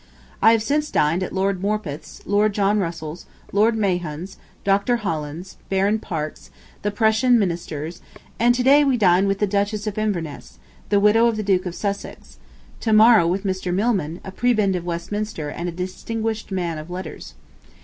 I have since dined at Lord Morpeth's, Lord John Russell's, Lord Mahon's, Dr. Holland's, Baron Parke's, The Prussian Minister's, and to day we dine with the Duchess of Inverness, the widow of the Duke of Sussex; to morrow with Mr. Milman, a prebend of Westminster and a distinguished man of letters.